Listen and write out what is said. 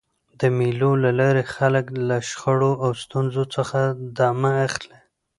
د مېلو له لاري خلک له شخړو او ستونزو څخه دمه اخلي.